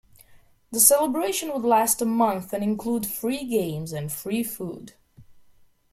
The celebrations would last a month and include free games and free food.